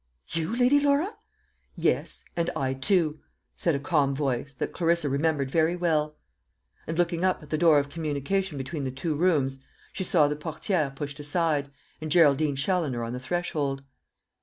"You, Lady Laura?" "Yes, and I too," said a calm voice, that Clarissa remembered very well; and looking up at the door of communication between the two rooms, she saw the portière pushed aside, and Geraldine Challoner on the threshold.